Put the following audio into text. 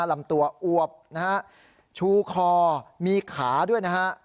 ลำตัวอวบนะฮะชูคอมีขาด้วยนะฮะ